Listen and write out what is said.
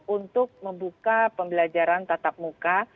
untuk membuka pembelajaran tatap muka